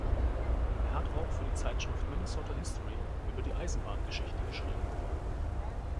Er hat auch für die Zeitschrift Minnesota History über die Eisenbahngeschichte geschrieben.